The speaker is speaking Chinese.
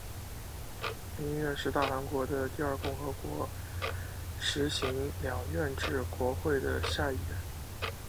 民议院是大韩民国的第二共和国实行两院制国会的下议院。